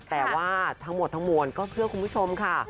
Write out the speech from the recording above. แต่ว่าทั้งหมดทั้งมวลก็เพื่อคุณผู้ชมค่ะ